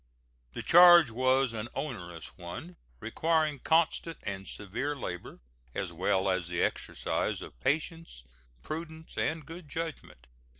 The charge was an onerous one, requiring constant and severe labor, as well as the exercise of patience, prudence, and good judgment.